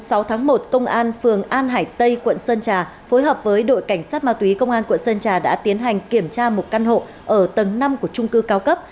cơ quan cảnh sát điều tra công an phường an hải tây quận sơn trà phối hợp với đội cảnh sát ma túy công an quận sơn trà đã tiến hành kiểm tra một căn hộ ở tầng năm của trung cư cao cấp